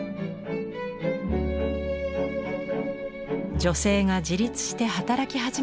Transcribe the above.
女性が自立して働き始めた時代。